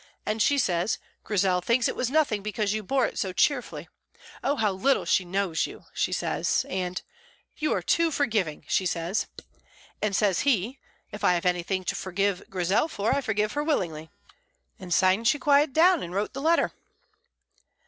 And she says, 'Grizel thinks it was nothing because you bore it so cheerfully; oh, how little she knows you!' she says; and 'You are too forgiving,' she says. And says he, 'If I have anything to forgive Grizel for, I forgive her willingly.' And syne she quieted down and wrote the letter."